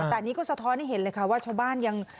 แต่อันนี้ก็สะท้อนให้เห็นเลยค่ะว่าชาวบ้านยัง